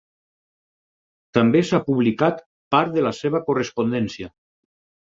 També s'ha publicat part de la seva correspondència.